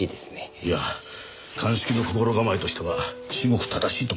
いや鑑識の心構えとしては至極正しいと思います。